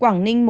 quảng ninh một